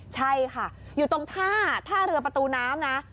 ใช่ค่ะอยู่ตรงท่าท่าเรือประตูน้ำนะ